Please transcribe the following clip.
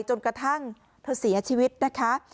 จนกระทั่งเธอเสียชีวิตนะคะ